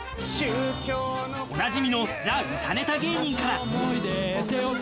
おなじみのザ・歌ネタ芸人から。